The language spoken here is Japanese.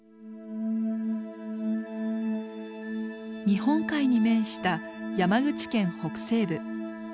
日本海に面した山口県北西部。